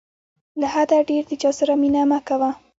له حده ډېر د چاسره مینه مه کوه.